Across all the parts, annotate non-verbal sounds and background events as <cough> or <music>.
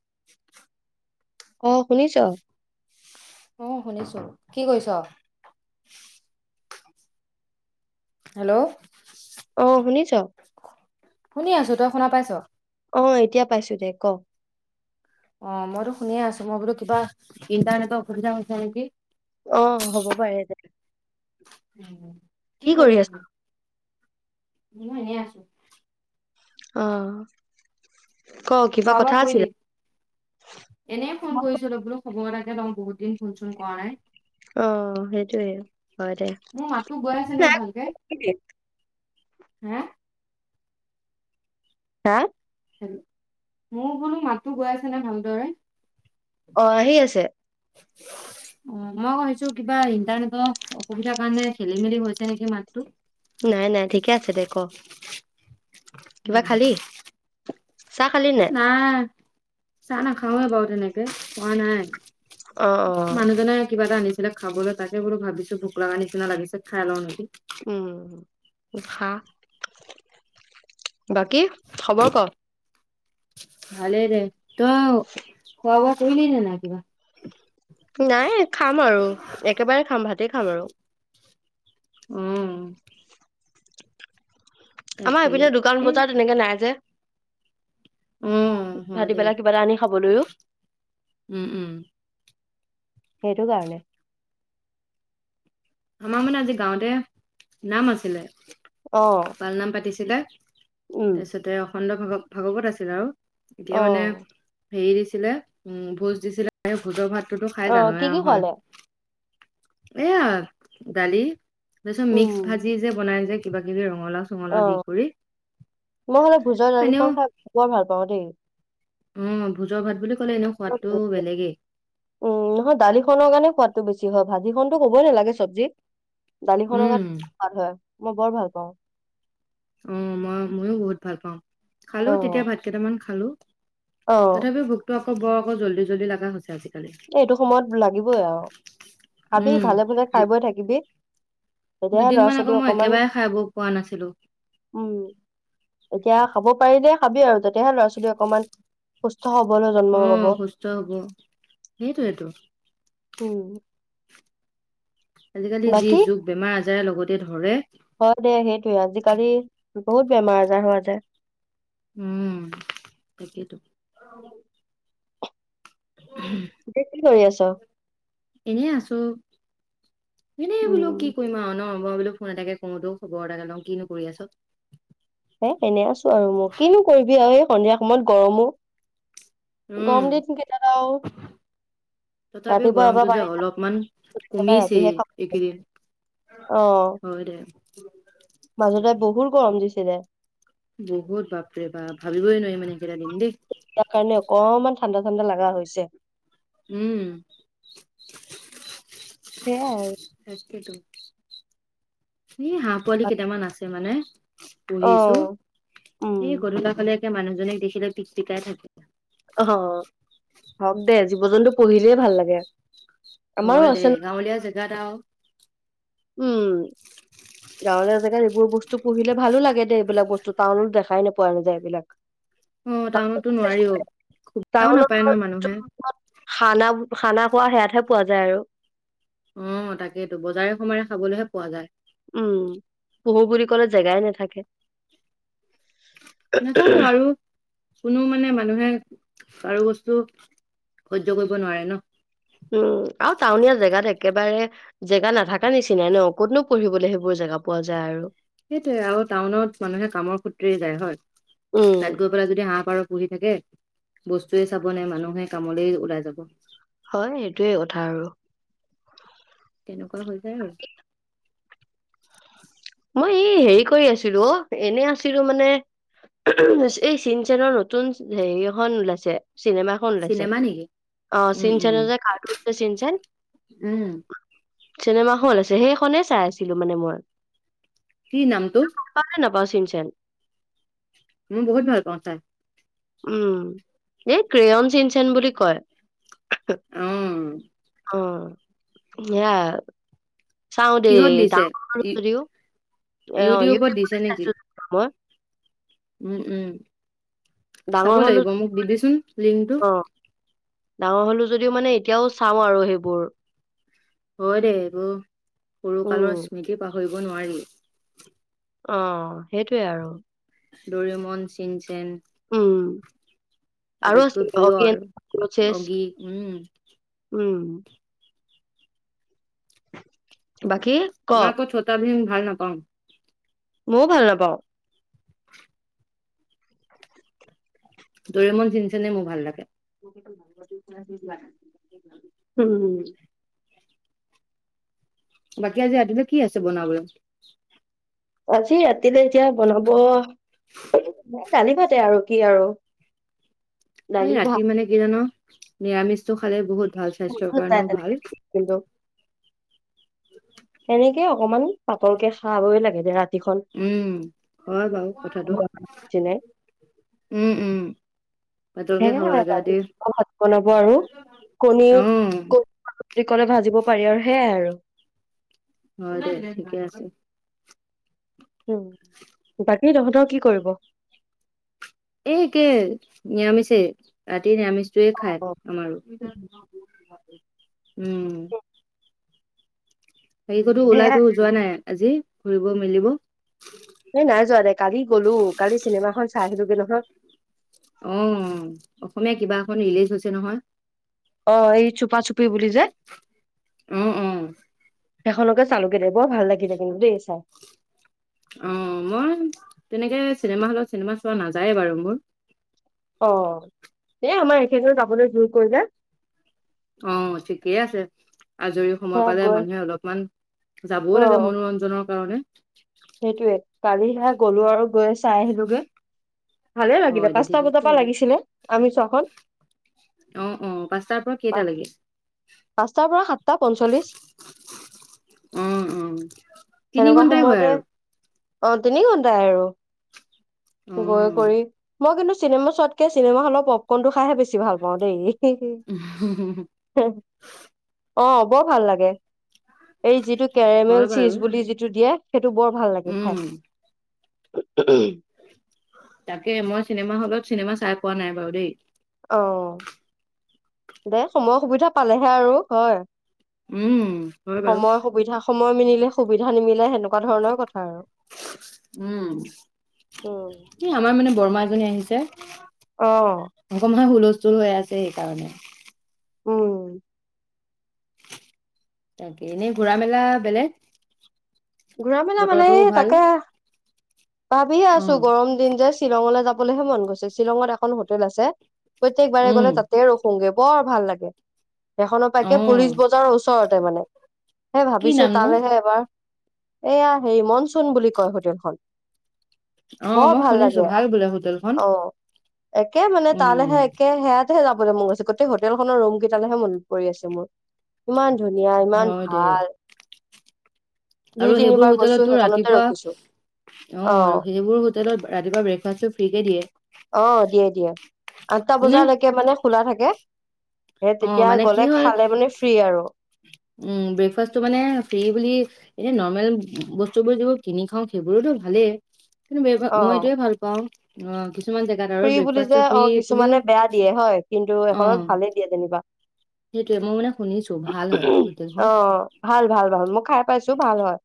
<inaudible> অ' শুনিছ? অ', শুনিছো। কি কৰিছ? হেল্ল'? অ', শুনিছ? শুনি আছো। তই শুনা পাইছ? অ', এতিয়া পাইছো দে ক'? অ', মইটো শুনিয়ে আছো মই বোলো কিবা ইন্টাৰনেটৰ অসুবিধা হৈছে নেকি? অ', হ'ব পাৰে তে। উম, কি কৰি আছ? মইও এনেই আছো। অ'। ক কিবা খোৱা-বোৱা কথা আছিলে কৰিলি? এনেই ফোন কৰিছিলো, বোলো খবৰ এটাকে লও বহুত দিন ফোন-চোন কৰা নাই। অ', সেইটোয়ে হয় দে মোৰ <unintelligible> হে? হা? হেল্ল' মোৰ বোলো মাতটো গৈ আছে নে ভালদৰে? অ', আহি আছে। <inaudible> অ', মই আকৌ ভাবিছো কিবা ইন্টাৰনেটৰ অসুবিধাৰ কাৰণে খেলি-মেলি হৈছে নেকি মাতটো। নাই নাই ঠিকে আছে দে ক'? কিবা উম, খালি, চাহ খালি নাই? নাই, চাহ নাখাৱে বাৰু তেনেকে খোৱা নাই। অ অ মানুহজনে কিবা এটা আনিছি লে খাবলৈ তাকে বুলো ভাবিছো ভোক লাগা নিচিনা লাগিছে খাই লওঁ নেকি। উম, খা, বাকী খবৰ ক'? ভালেই দে, তই খোৱা-বোৱা কৰিলি নে নাই কিবা? নাই খাম আৰু একেবাৰে খাম ভাতেই খাম আৰু। উম। আমাৰ তাকেই এপিনে দোকান এ বজাৰ তেনেকে নাই যে। অ', হয় ভাতি দে বেলা কিবা এটা আনি খাবলৈও। উম, উম, সেইটো কাৰণে। আমাৰ মানে আজি গাঁৱতে নাম আছিলে। অ'। পাল নাম পাতিছিলে, উম তাৰপিছতে অখণ্ড ভাগ-ভাগৱত আছিল আৰু। এতিয়া মানে অ হেৰি দিছিলে উম, ভোজ দিছিলে ভোজৰ ভাত তোটো খাই অ জানয়ে কি কি আৰু হয়, খোৱালে? এয়া দালি তাৰপিছত উম মিক্স ভাজি যে বনাই যে কিবা কিবি ৰঙালাও চঙালাও দি অ', কৰি মই হ'লে ভোজৰ এনেও দালিখন খাই বৰ ভাল পাওঁ দেই। উম, ভোজৰ ভাত বুলি ক'লে এনেও বৰ সোৱাদটো ভাল লাগে। বেলেগেই। উম, নহয় দালিখনৰ কাৰণে সোৱাদটো বেছি হয়, ভাজি খন টো ক'বই নালাগে চব্জি। দালিখনৰ <unintelligible> উম, ভাল হয়, মই বৰ ভাল পাওঁ। অ', মই ময়ো বহুত ভাল পাওঁ, খালো অ তেতিয়া ভাত কেইটামান খালো। অ তথাপিও ভোকটো আকৌ বৰ আকৌ জল্দি জল্দি লগা হৈছে আজি। এইটো সময়ত লাগিবই আৰু খাবি উম, ভালে ভোজে দু খাই বৈ থাকিবি। তেতিয়াহে ল'ৰা দুদিনমান ছোৱালী আকৌ মই অকমান একেবাৰে খাই বৈ পোৱা নাছিলো। উম, এতিয়া খাব পাৰিলে খাবি আৰু তেতিয়াহে ল'ৰা-ছোৱালী অকমান সুস্থ সবল হৈ জন্ম অ', লব। সুস্থ হ'ব সেইটোয়েটো। অ। আজিকালি যি বাকী যুগ বেমাৰ আজাৰে লগতে ধৰে। হয় দে সেইটোয়ে, আজিকালি বহুত বেমাৰ আজাৰ হোৱা যায়। উম। এতিয়া কি কৰি আছ? এনেই আছো। এনেই বোলো উম, কি কৰিমা ন মই বোলো ফোন এটাকে কৰোঁচোন, খবৰ এটাকে লওঁ কিনো কৰি আছ। এ এনে আছোঁ আৰু মই ল, কিনো কৰিবি আৰু এই সন্ধিয়া সময়ত গৰমো। উম, গম দিন কেইটাত আও। তথাপিও গৰমটো যে অলপমান খালো একেবাৰে কমিছে ৰাতিহে খাব এইকেইদিন। অ, হয় দে মাজতে বহুত গৰম দিছিলে। বহুত বাপৰে বা! ভাবিবই নোৱাৰি মানে সেইকেইটা দিন দেই। তাৰ কাৰণে অকনমান ঠাণ্ডা- ঠাণ্ডা লগা হৈছে। উম। সেইয়াই আৰু। তাকেটো, এ হাঁহ পোৱালি আৰু। কেইটামান আছে মানে। পুহিছো, অ', উম, এ গধলা ফালে একে মানুহজনীক দেখিলে টিক- টিকাই থাকে। অ, হওক দে, জীৱ- জন্তু পুহিলেই ভাল লাগে। আমাৰো হয় দে, আছে ন গাঁৱলীয়া জেগাত আৰু। উম। গাঁৱলীয়া জেগাত এইবোৰ বস্তু পুহিলে ভালো লাগে দে। এইবিলাক বস্তু টাউনত দেখাই পোৱা নাযায় এই বিলাক। <inaudible> অ, টাউনতো নোৱাৰিও, সুবিধাও টাউনত নাপায় ন মানুহে। খানা- খানা খোৱা হেয়াত হে পোৱা যায় আৰু। অ, তাকেইেতো বজাৰে- সমাৰে খাবলৈহে পোৱা যায়। উম, পুহু বুলি কলে জেগাই নাথাকে। নাথাকে আৰু। কোনো মানে মানুহে কাৰো বস্তু সহ্য কৰিব নোৱাৰে ন। উম, আৰু টাউনীয়া জেগাত একেবাৰে জেগা নাথাকা নিচিনাই ন, ক'তনো পুহিবলৈ সেইবোৰ জেগা পোৱা যায় আৰু। সেইটোয়ে আৰু টাউনত মানুহে কামৰ সূত্ৰেই যায় হয়। উম তাত গৈ যদি হাঁহ পাৰ পুহি থাকে, বস্তুয়ে চাব নে, মানুহে কামলেই ওলাই যাব। হয়, এইটোয়ে কথা আৰু। তেনেকুৱা হৈ যায় আৰু। মই এই হেৰি কৰি আছিলো অ, এনে আছিলো মানে। এই চিন- চেনৰ নতুন হেৰি এখন ওলাইছে, চিনেমা এখন ওলাইছে। চিনেমা নেকি অ, উম চিন উম চেনৰ যে কাৰ্টুন যে চিন চেন। উম চিনেমা এখন ওলাইছে, সেইখনেই চাই আছিলো মানে মই। কি নামটো? পাওঁ নে নাপাওঁ চিন চেন? মই বহুত ভালপাওঁ চায়। উম, এই ক্ৰেয়ন চিনচেন বুলি কয়। অ অ, হেয়া। চাওঁ দেও, কিহত দিছে ডাঙৰ হ'লো ইউ- যদিও, অ', ইউটিউবত দিছে ইউটিউবতে নেকি চাইছোঁ যেনিবা মই। উম উম, চাব ডাঙৰ হলো লাগিব, মোক দিবিচোন লিংকটো। অ ডাঙৰ হ'লো যদিও মানে এতিয়াও চাওঁ আৰু সেইবোৰ। হয় দে উম, সৰুকালৰ উম স্মৃতি পাহৰিব নোৱাৰি। অ', সেইটোৱেই আৰু। ডৰেমন, চিন চেন উম, আৰু আটাইতকৈ আছিলে, প্ৰিয় অগি এণ্ড আৰু কক্ৰচেছ অগি উম উম। বাকী? ক মই আকৌ ছ'তা ভীম ভাল নাপাওঁ। মইও ভাল নাপাওঁ। ড'ৰেমন, চিন ছেনে মোৰ ভাল লাগে। উম। বাকী আজি ৰাতিলৈ কি আছে বনাবলৈ? আজি ৰাতিলে এতিয়া বনাব দালি ভাতেই আৰু, কি আৰু। এই দালি ভাত ৰাতি মানে কি জান, নিৰামিষটো খালে বহুত ভাল, মন স্বাস্থ্যৰ নাযায় কাৰণেও তেনেকে ভাল। বিশেষ, কিন্তু এনেকেই অকমান, পাতলকে খাবই লাগে দে ৰাত উম, হয় বাৰু কথাটো, নিচিনাই উম উম। পাতলকে সেইয়াই খাব লাগে ৰাতি <unintelligible> ভাত বনাব আৰু, কণী অ', <unintelligible> বুলি ক'লে ভাজিব পাৰি আৰু, সেয়াই আৰু। হয় দে, ঠিকেই আছে। উম, বাকী তহঁতৰ কি কৰিব? এই একেই, নিৰামিষেই, ৰাতি নিৰামিষটোৱে খায় অ', আমাৰো। উম। বাকী ক'তো ওলাই সেয়াই কৰি যোৱা নাই, আজি ঘুৰিব মেলিব? এ নাই যোৱা দে, কালি গ'লো, কালি চিনেমাখন চাই আহিলোঁগে নহয়। অ', অসমীয়া কিবা এখন ৰিলিজ হৈছে নহয়। অ', এই চুপাচুপি বুলি যে। অ', অ', সেইখনকে চালোঁগৈ দে, বৰ ভাল লাগিলে কিন্তু দেই চাই। অ', মই তেনেকে চিনেমা হলত চিনেমা চোৱা নাযায়ে বাৰু মোৰ। অ', এ আমাৰ এখেতেও যাবলৈ যোৰ কৰিলে। অ', ঠিকেই আছে, আজৰি সময় সেয়া পালে গৈ মানুহে অলপমান যাবও লাগে মনোৰঞ্জনৰ কাৰণে। সেইটোৱে, কালি সেয়া গ'লো আৰু গৈ চাই আহিলোগৈ। ভালেই লাগিলে, হয় দে পাঁচটা ঠিকেই বজাৰ পৰা কৰিলি লাগিছিলে আমি চোৱাখন। অ', অ', পাঁচটাৰ পৰা কেইটালৈকে? পা-পাঁচটাৰ পৰা সাতটা পঞ্চল্লিশ। উম উম। তিনি তেনেকুৱা ঘন্টাই হয় সময়তে, আৰু অ' তিনি ঘন্টাই আৰু। গৈ উম। কৰি, মই কিন্তু চিনেমা চোৱাতকে চিনেমা হলৰ পপকৰ্নটো খাইহে বেছি ভাল পাওঁ দেই। সেইটোৱেই, অ', বৰ ভাল লাগে। এই যিটো হয় কেৰেমেল বাৰু চিজ বুলি যিটো দিয়ে। সেইটো বৰ ভাল লাগে উম, খায় তাকে মই চিনেমা হলত চিনেমা চাই পোৱা নাই বাৰু দেই অ' দে সময় সুবিধা পালেহে আৰু হয় উম, হয় বাৰু সময় সুবিধা সময় মিলিলে সুবিধা নিমিলে সেনেকুৱা ধৰণৰ কথা আৰু উম উম এ আমাৰ মানে বৰমা এজনী আহিছে অ' অকনমান হুলস্থুল হৈ আছে সেইকাৰণে উম তাকে এনেই ঘূৰা মেলা বেলেগ ঘূৰা মেলা মানে বতৰটোও এই ভাল তাকে ভাবি আছোঁ অ', গৰম দিন যে শ্বিলঙলৈ যাবলৈহে মন গৈছে শ্বিলঙত এখন হোটেল আছে প্ৰত্যেক বাৰে উম। গ'লে তাতে ৰখো -গে বৰ ভাল লাগে সেইখনৰ পৰা একে পুলিচ অ', বজাৰৰ ওচৰতে মানে তাকে কি ভাবিছোঁ নামনো তালেহে এবাৰ এইয়া হেৰি মনচুন বুলি কয় হোটেলখন অ', বৰ মই ভাল শুনিছো লাগে বোলে হোটেলখন অ একে মানে উম। তালেহে একে হেয়াত হে যাবলৈ মন গৈছে গোটেই হোটেল খনৰ ৰুম কেইটালেহে মনত পৰি আছে মোৰ ইমান ধুনীয়া ইমান হয় দে ভাল দুই আৰু সেইবোৰ তিনিবাৰ গৈছো হোটেলত তোৰ সেইখনতে ৰাতিপুৱা ৰখিছো অ' আৰু সেইবোৰ হোটেলত ৰাতিপুৱা ব্ৰেকফাষ্টটো ফ্ৰী কে দিয়ে অ দিয়ে দিয়ে আঠটা মানে বজালৈকে মানে খোলা থাকে সেই অ' তেতিয়া মানে কি গ'লে হয় খালে মানে ফ্ৰী আৰু উম ব্ৰেকফাষ্টটো মানে ফ্ৰী বুলি এনে নৰ্মেল বস্তু বোৰ যিবোৰ কিনি খাওঁ সেইবোৰোতো ভালেই কিন্তু ব্যৱহা অ মই এইটোয়ে ভাল পাওঁ অ' কিছুমান জেগা ফ্ৰী বুলি যে অ' কিছুমানে বেয়া দিয়ে হয় কিন্তু এখনত ভালে দিয়ে যেনিবা সেইটোৱে, মই মানে শুনিছোঁ, ভাল হয় হোটেলখন। অ', ভাল ভাল ভাল, মই খাই পাইছোঁ, ভাল হয়,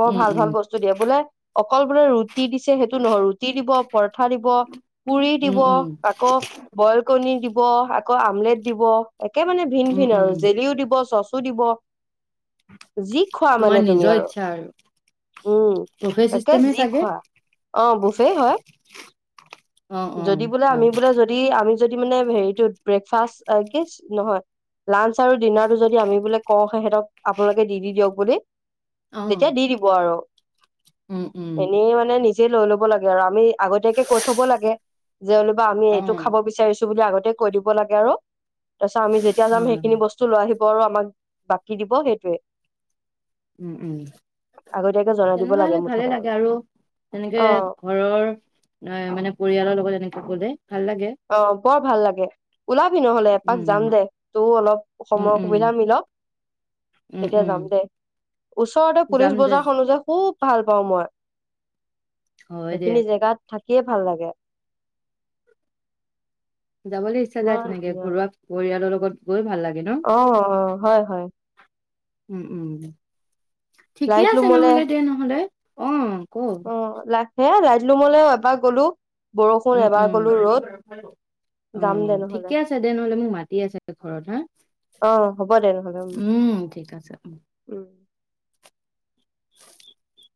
বৰ উম, ভাল উম, ভাল বস্তু দিয়ে বোলে, অকল বোলে ৰুটি দিছে সেইটো নহয়, ৰুটি দিব, পৰঠা দিব। পুৰি উম, দিব, উম, আকৌ বইল কণী দিব, আকৌ আমলেট দিব। একে মানে ভিন উম, ভিন, উম, আৰু জেলিও দিব, চচো দিব। যি খোৱা তোমাৰ মানে তুমি নিজৰ আৰু ইচ্ছা উম, বুফে তাকেই চিষ্টেমে যি চাগে খোৱা, অ', বুফেই হয়। <inaudible> অ', যদি বোলে, আমি হয় বোলে যদি, আমি যদি মানে, হেৰিটোত ব্ৰেকফাষ্ট কি, নহয় লাঞ্চ আৰু ডিনাৰটো, যদি আমি বোলে কওঁ সিহঁতক, আপোনালোকে দি দি দিয়ক বুলি তেতিয়া অ', দি দিব আৰু। উম, উম, এনেই, মানে নিজে লৈ ল'ব লাগে, আৰু আমি আগতীয়াকে কৈ থ'ব লাগে। যেনিবা, আমি অ', এইটো খাব বিচাৰিছোঁ, বুলি আগতে কৈ দিব লাগে আৰু তাৰপিছত, আমি যেতিয়া যাম হয়, সেইখিনি হয়, বস্তু লৈ আহিব, আৰু আমাক বাকী দিব সেইটোৱে। উম উম, আগতীয়াকে জনাই দিব তেনেকুৱা লাগে হ'লে ভালে মুঠতে লাগে, আৰু তেনেকে অ ঘৰৰ, এ মানে, পৰিয়ালৰ লগত এনেকে গ'লে, ভাল লাগে। অ', বৰ ভাল লাগে। ওলাবি নহ'লে, উম এপাক যাম দে, তও অলপ উম সময় উম সুবিধা মিলক। উম তেতিয়া উম যাম দে, ওচৰতে পুলিচ যাম দে বজাৰখনো যে খুব ভাল পাওঁ মই, হয় দে সেইখিনি জেগাত থাকিয়ে ভাল লাগে। যাবলৈ ইচ্ছা যায় ইমান ধুনীয়াকে, ধুনীয়া ঘৰুৱা পৰিয়ালৰ লগত গৈ ভাল লাগে ন'? অ' হয় হয়। উম, উম। ঠিকেই লাইট আছে লুমলে নহ'লে দে নহ'লে। অ' ক'ত? অ' লাখে লাইট ৰুমলেও এবাৰ গ'লোঁ। উম, উম। যাম দে অ' নহ'লে ঠিকে আছে দে নহ'লে, মোক মাতি আছে ঘৰত হা। অ হ'ব দে নহ'লে উম, ঠিক আছে উম। উম। <inaudible>